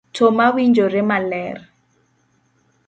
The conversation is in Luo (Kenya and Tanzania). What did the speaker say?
to mawinjore maler.